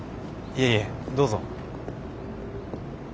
いえいえどうぞ。